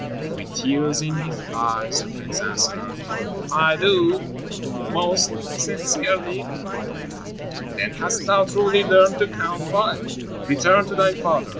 With tears in his eyes, the prince answered, "I do, most sincerely." "Then hast thou truly learned to Count Five. Return to thy father.